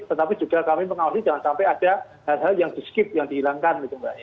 tetapi juga kami mengawasi jangan sampai ada hal hal yang di skip yang dihilangkan